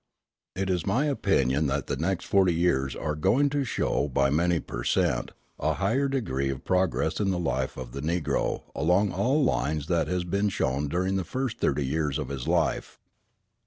It is my opinion that the next forty years are going to show by many per cent. a higher degree of progress in the life of the Negro along all lines than has been shown during the first thirty years of his life.